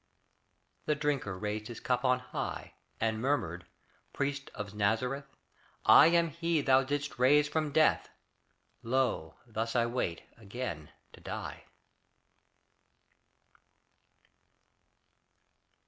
The drinker raised his cup on high, And murmured: "Priest of Nazareth, I am he thou didst raise from death Lo, thus I wait again to die!"